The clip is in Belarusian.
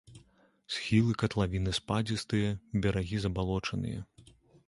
Схілы катлавіны спадзістыя, берагі забалочаныя.